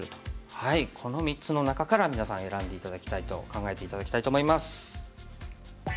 この３つの中から皆さん選んで頂きたいと考えて頂きたいと思います。